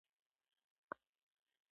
کورس د سالم فکر تولیدوي.